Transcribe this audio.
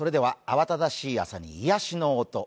慌ただしい朝に癒やしの音